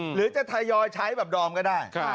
หรือจะทยอยใช้แบบดอมก็ได้